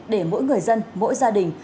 để mỗi người dân mỗi gia đình